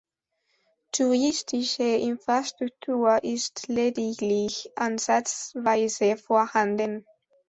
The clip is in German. Touristische Infrastruktur ist lediglich ansatzweise vorhanden.